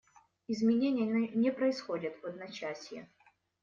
Изменения не происходят в одночасье.